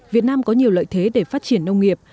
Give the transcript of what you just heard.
việt nam có nhiều lợi thế để phát triển nông nghiệp